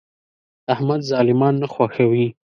احمد ظالمان نه خوښوي.